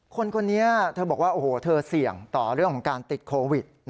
คนนี้เธอบอกว่าโอ้โหเธอเสี่ยงต่อเรื่องของการติดโควิด